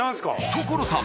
所さん